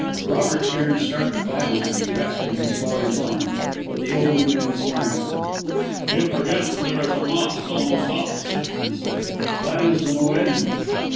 Robert Cairn started violently, grasping his father's arm, but the older man smiled. "You forget that there is a mosque almost opposite," he said. "That is the mueddin!"